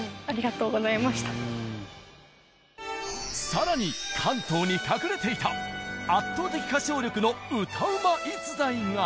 更に関東に隠れていた圧倒的歌唱力の歌うま逸材が！